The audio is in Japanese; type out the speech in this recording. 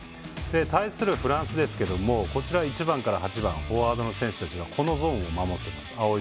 対するフランスは１番から８番フォワードの選手たちが青いゾーンを守っています。